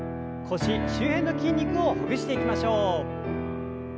腰周辺の筋肉をほぐしていきましょう。